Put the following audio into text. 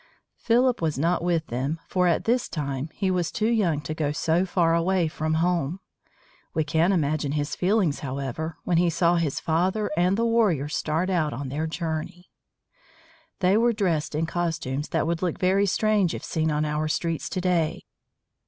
Philip was not with them, for at this time he was too young to go so far away from home. We can imagine his feelings, however, when he saw his father and the warriors start out on their journey. They were dressed in costumes that would look very strange if seen on our streets to day.